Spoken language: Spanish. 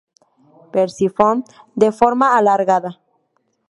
Perciforme, de forma alargada.